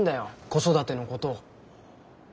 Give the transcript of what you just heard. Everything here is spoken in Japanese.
子育てのことを。